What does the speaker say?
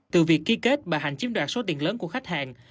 từ việc ký kết bà hạnh chiếm đoạt số tiền lớn của khách hàng